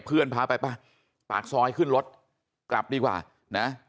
เพื่อนพาไปไปปากซอยขึ้นรถกลับดีกว่านะ